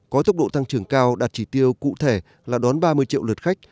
có tốc độ tăng trưởng cao đạt chỉ tiêu cụ thể là đón ba mươi triệu lượt khách